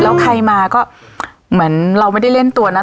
แล้วใครมาก็เหมือนเราไม่ได้เล่นตัวนะ